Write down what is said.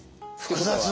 複雑！